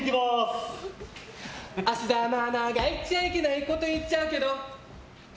芦田愛菜が言っちゃいけないこと言っちゃうけど。